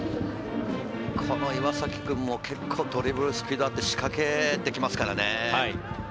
この岩崎君も結構ドリブル、スピードあって仕掛けてきますからね。